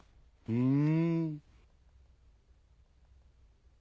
うん。